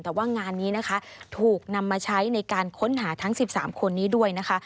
แต่ว่างานนี้นะคะถูกนำมาใช้ในการค้นหาทั้ง๑๓คนนี้ด้วยนะคะ